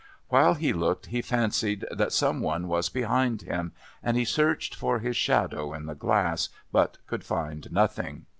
While he looked he fancied that some one was behind him, and he searched for his shadow in the glass, but could find nothing.